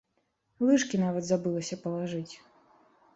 Лыжкі нават забылася палажыць.